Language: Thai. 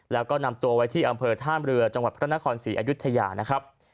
แล้วก็นำตัวไว้ที่อำเภอท่ามเรือจังหวัดพระนครศรีอยุธยานะครับ